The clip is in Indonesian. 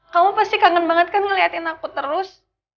kamu pasti kangen banget kan ngeliatin aku terus